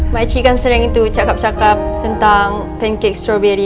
maci kan sering itu cakap cakap tentang pancake strawberry